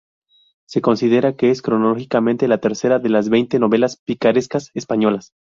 Se considera que es cronológicamente la tercera de las veinte novelas picarescas españolas.